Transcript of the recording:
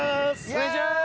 お願いします！